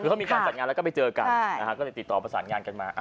คือเขามีการจัดงานแล้วก็ไปเจอกันก็เลยติดต่อประสานงานกันมา